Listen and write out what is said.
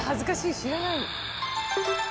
知らない！